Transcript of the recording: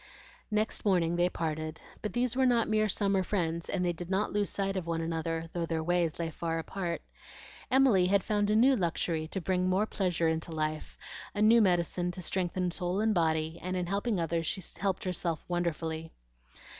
Next morning they parted; but these were not mere summer friends, and they did not lose sight of one another, though their ways lay far apart. Emily had found a new luxury to bring more pleasure into life, a new medicine to strengthen soul and body; and in helping others, she helped herself wonderfully.